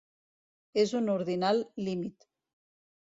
És un ordinal límit.